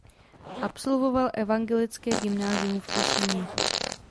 Absolvoval evangelické gymnázium v Těšíně.